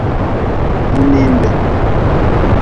Mininde.